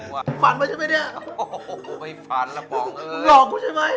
ฝันไหมใช่ไหมเนี่ย